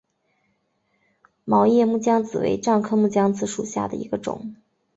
毛叶木姜子为樟科木姜子属下的一个种。